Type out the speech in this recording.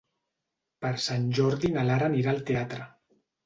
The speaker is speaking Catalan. Per Sant Jordi na Lara anirà al teatre.